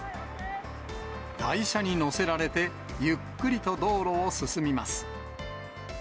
台車に載せられて、ゆっくりと道路を進みます。